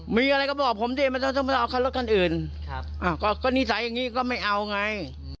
มีอะไรก็บอกผมทอดต่อก็ต้องมาเอาคาไล่ของคนอื่นครับอ้าวก็ก็นิสัยอย่างงี้ก็ไม่เอาไง